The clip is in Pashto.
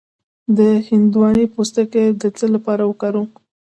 د هندواڼې پوستکی د څه لپاره وکاروم؟